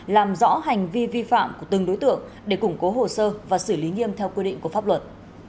làm rõ hành vi vi phạm của từng đối tượng để củng cố hồ sơ và xử lý nghiêm theo quy định của pháp luật